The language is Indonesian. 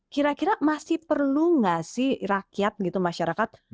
kira kira masih perlu nggak sih rakyat gitu masyarakat